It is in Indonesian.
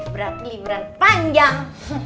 berarti liburan panjang